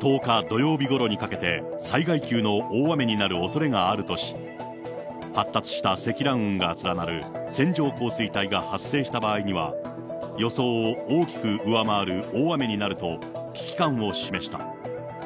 １０日土曜日ごろにかけて、災害級の大雨になるおそれがあるとし、発達した積乱雲が連なる線状降水帯が発生した場合には、予想を大きく上回る大雨になると、危機感を示した。